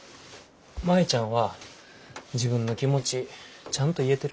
舞ちゃんは自分の気持ちちゃんと言えてる？